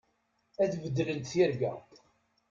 Ad beddlent tirga.